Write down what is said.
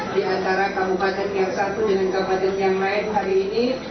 di antara kabupaten yang satu dengan kabupaten yang lain hari ini